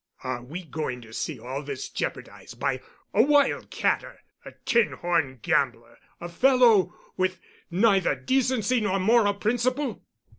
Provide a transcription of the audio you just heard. Are we going to see all this jeopardized by a wild catter, a tin horn gambler, a fellow with neither decency nor moral principle?